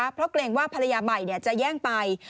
เพราะเกรงว่าภรรยาใหม่จะแย่งไป